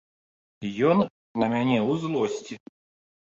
Ён на мяне ў злосці.